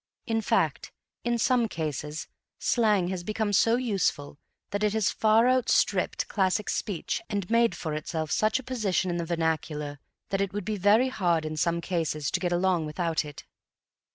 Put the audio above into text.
In fact, in some cases, slang has become so useful that it has far outstripped classic speech and made for itself such a position in the vernacular that it would be very hard in some cases to get along without it.